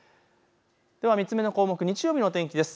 ３つ目の項目、日曜日の天気です。